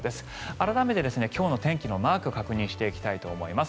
改めて、今日の天気のマーク確認していきたいと思います。